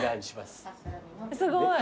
すごい。